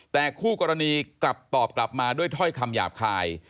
แต่คู่กรณีกลับตอบกลับมาด้วยถ้อยคำหยาบคาย